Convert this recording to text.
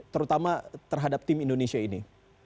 terutama terhadap tim indonesia ini